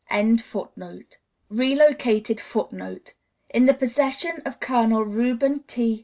] [Relocated Footnote: In the possession of Colonel Reuben T.